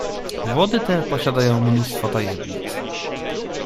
"Wody te posiadają mnóstwo tajemnic."